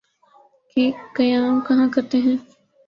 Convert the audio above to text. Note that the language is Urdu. قیام کہاں کرتے ہیں؟